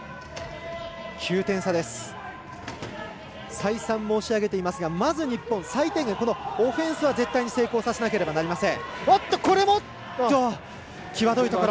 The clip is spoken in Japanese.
再三、申し上げていますがまず日本、最低限オフェンスは絶対成功させなければいけません。